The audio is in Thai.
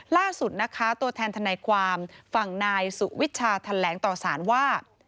ล่าสุดนะคะตัวแทนทนายความฝั่งนายสุวิชาแถลงต่อสารว่า